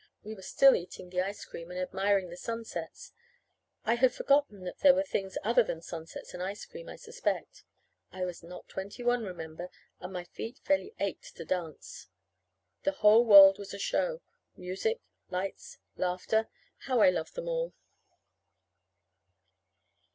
We were still eating the ice cream and admiring the sunsets. I had forgotten that there were things other than sunsets and ice cream, I suspect. I was not twenty one, remember, and my feet fairly ached to dance. The whole world was a show. Music, lights, laughter how I loved them all!